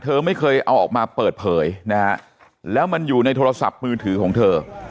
เธอไม่เคยเอาออกมาเปิดเผยนะฮะแล้วมันอยู่ในโทรศัพท์มือถือของเธอ